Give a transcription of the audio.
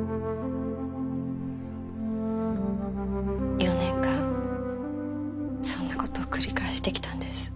・４年間そんなことを繰り返してきたんです